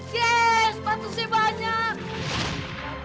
yeay sepatu saya banyak